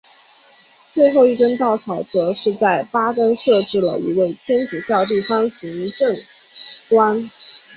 最后一根稻草则是在巴登设置了一位天主教地方行政官。